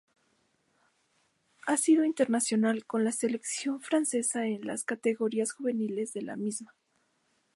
Ha sido internacional con la selección francesa en las categorías juveniles de la misma.